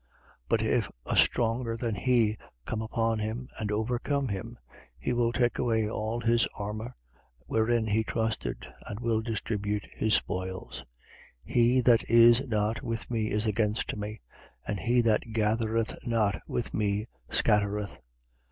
11:22. But if a stronger than he come upon him and overcome him, he will take away all his armour wherein he trusted and will distribute his spoils. 11:23. He that is not with me is against me; and he that gathereth not with me scattereth.